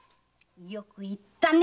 よく言ったね。